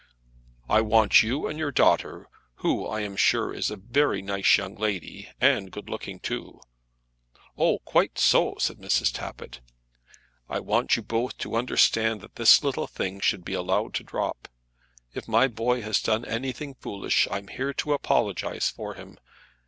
"I want you and your daughter, who I am sure is a very nice young lady, and good looking too, " "Oh, quite so," said Mrs. Tappitt. "I want you both to understand that this little thing should be allowed to drop. If my boy has done anything foolish I'm here to apologize for him.